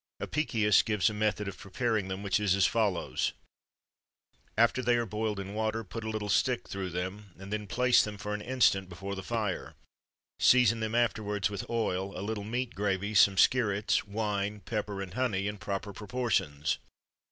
[XXIII 103] Apicius gives a method of preparing them which is as follows: After they are boiled in water, put a little stick through them, and then place them for an instant before the fire; season them afterwards with oil, a little meat gravy, some skirrets, wine, pepper, and honey, in proper proportions.